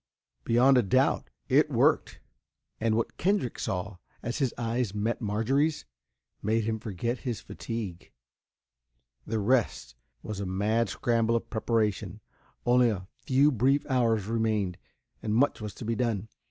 Beyond a doubt, it worked! And what Kendrick saw, as his eyes met Marjorie's, made him forget his fatigue. The rest was a mad scramble of preparation. Only a few brief hours remained, and much was to be done.